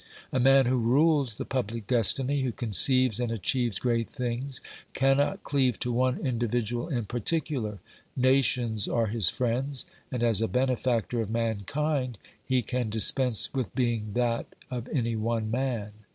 A man who rules the public destiny, who conceives and achieves great things, cannot cleave to one individual in i)articular ; nations are his friends, and as a benefactor of mankind he can dis pense with being that of any one man.